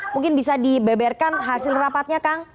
mungkin bisa dibeberkan hasil rapatnya kang